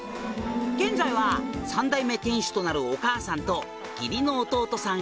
「現在は３代目店主となるお母さんと義理の弟さん